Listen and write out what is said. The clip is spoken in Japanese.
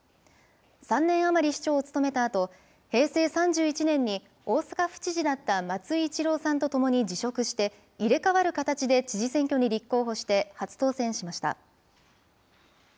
３年余り市長を務めたあと、平成３１年に、大阪府知事だった松井一郎さんとともに辞職して、入れ代わる形で知事選挙に立候補して初当選しました。